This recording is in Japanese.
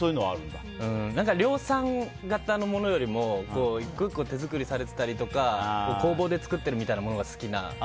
量産型のものよりも１個１個手作りされてたりとか工房で作ってたものが好きで。